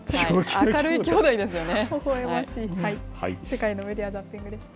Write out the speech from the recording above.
明るい兄弟ですよね。